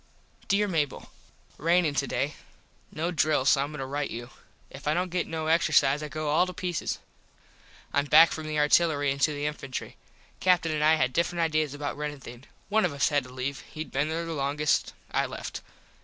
Dere Mable: Rainin today. No drill so Im going to rite you. If I dont get no exercise I go all to pieces. Im back from the artillery into the infantry. Captin an I had different ideas about runnin things. One of us had to leave. Hed been there longest. I left.